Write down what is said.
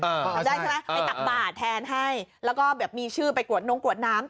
เข้าใจใช่ไหมเออให้ตักบาทแทนให้แล้วก็แบบมีชื่อไปกวดนมกวดน้ำ